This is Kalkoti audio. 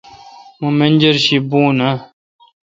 مہ منجر شی یی بون اہ؟